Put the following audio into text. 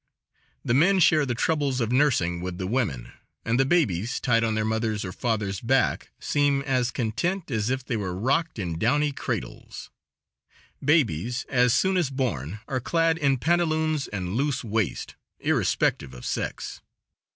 The men share the troubles of nursing with the women, and the babies, tied on their mother's or father's back, seem as content as if they were rocked in downy cradles. Babies, as soon as born, are clad in pantaloons and loose waist, irrespective of sex.